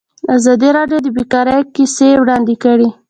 ازادي راډیو د بیکاري کیسې وړاندې کړي.